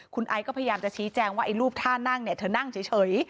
คุณไอซ์ก็พยายามจะชี้แจงว่าไอ้รูปท่านั่งเนี่ยเธอนั่งเฉย